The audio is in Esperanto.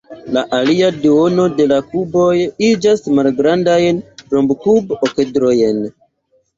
La alia duono de la kuboj iĝas malgrandajn rombokub-okedrojn.